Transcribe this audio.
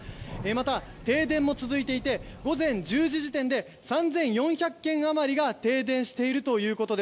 「また、停電も続いていて午前１０時時点で３４００軒余りで停電しています」